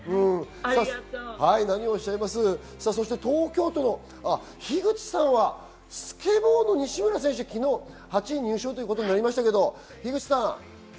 そして東京都、樋口さんはスケボーの西村選手、８位入賞ということですが樋口さん。